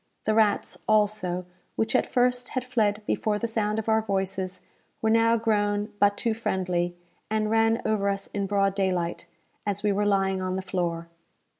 The rats, also, which at first had fled before the sound of our voices, were now grown but too friendly, and ran over us in broad daylight, as we were lying on the floor.